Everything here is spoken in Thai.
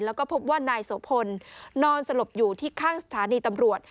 แล้วก็พบว่านายโสพลนอนสลบอยู่ที่ข้างสถานีตำรวจ